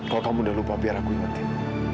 kalau kamu udah lupa biar aku ingetin